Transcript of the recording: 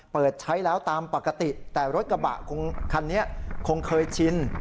เปิดใช้แล้วตามปกติแต่รถกระบะคันนี้คงเคยชิน